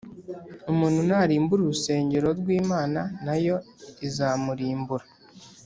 Umuntu narimbura urusengero rw’ Imana na yo izamurimbura